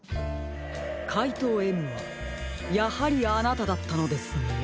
かいとうＭはやはりあなただったのですね。